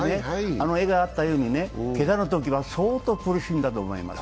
あの画にあったように、けがのときは相当苦しんだと思いますよ。